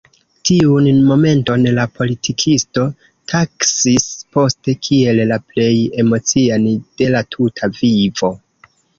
Tiun momenton la politikisto taksis poste kiel la plej emocian de la tuta vivo.